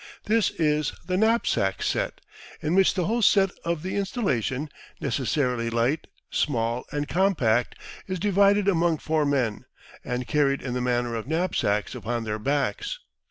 This is the "knapsack" set, in which the whole of the installation, necessarily light, small, and compact, is divided among four men, and carried in the manner of knapsacks upon their backs.